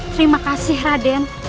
terima kasih raden